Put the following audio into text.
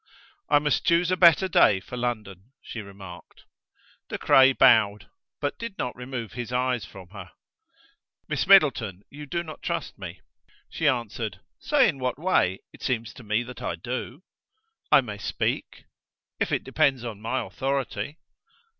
"I must choose a better day for London," she remarked. De Craye bowed, but did not remove his eyes from her. "Miss Middleton, you do not trust me." She answered: "Say in what way. It seems to me that I do." "I may speak?" "If it depends on my authority."